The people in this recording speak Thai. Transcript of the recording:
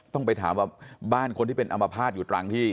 ต้องไปถามว่าบ้านคนที่เป็นอัมพาตอยู่ตรังที่